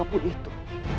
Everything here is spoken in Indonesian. mau apapun itu